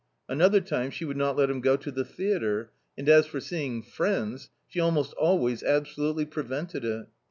" Another time she would not let him go to the theatre, and as for seeing friends, she almost always absolutely pre vented it.